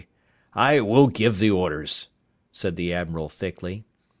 "I I will give the orders," said the admiral thickly.